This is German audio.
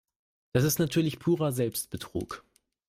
Das ist natürlich purer Selbstbetrug.